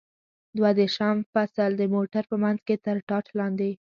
دوه دېرشم فصل: د موټر په منځ کې تر ټاټ لاندې.